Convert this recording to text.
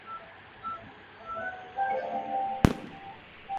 阿普里马克河与曼塔罗河汇流成为埃纳河。